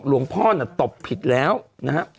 หลวงพ่อน่ะตบผิดแล้วนะฮะ